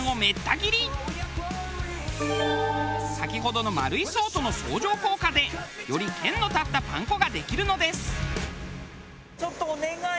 先ほどの丸い層との相乗効果でより剣の立ったパン粉ができるのです。